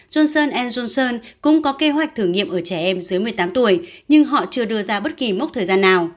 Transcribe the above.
johnson junsen cũng có kế hoạch thử nghiệm ở trẻ em dưới một mươi tám tuổi nhưng họ chưa đưa ra bất kỳ mốc thời gian nào